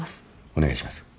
お願いします。